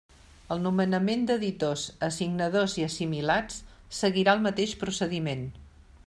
El nomenament d'editors, assignadors i assimilats seguirà el mateix procediment.